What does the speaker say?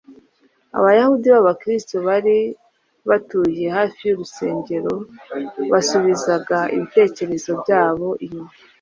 Abayahudi b’abakristo bari batuye hafi y’urusengero basubizaga ibitekerezo byabo inyuma,